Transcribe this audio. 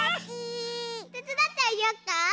てつだってあげよっか？